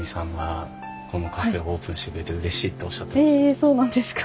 そうなんですか。